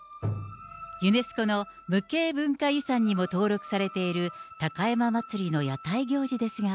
ユネスコの無形文化遺産にも登録されている高山祭の屋台行事ですが。